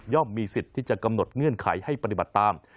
มีสิทธิ์ที่จะกำหนดเงื่อนไขให้ปฏิบัติตาม